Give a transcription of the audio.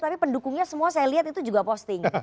tapi pendukungnya semua saya lihat itu juga posting